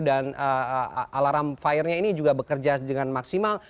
dan alarm fire nya ini juga bekerja dengan maksimal